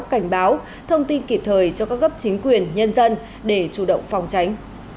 cảnh báo thông tin kịp thời cho các cấp chính quyền nhân dân để chủ động phòng tránh